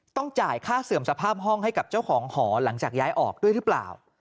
ต้องจ่ายค่าเสื่อมสภาพห้องให้กับเจ้าของหอหลังจากย้ายออกด้วยหรือเปล่า